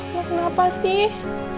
lo kenapa sih